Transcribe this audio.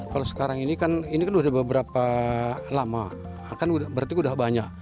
kalau sekarang ini kan ini kan sudah beberapa lama berarti sudah banyak